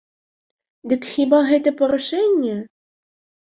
Дык хіба гэта парушэнне?